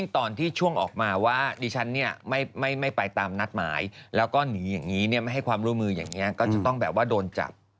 ต้องออกมาว่าดีชันไม่ไปตามนัดหมายแล้วก็หนีอย่างงี้ไม่ให้ความร่วมมืออย่างนี้ก็ต้องและว่าโดนจับ